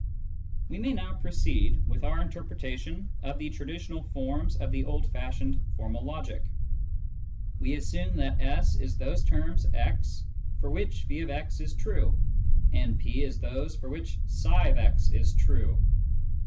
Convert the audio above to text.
We may now proceed with our interpretation of the traditional forms of the old fashioned formal logic. We assume that S is those terms x for which <f>x is true, and P is those for which i/ix is true.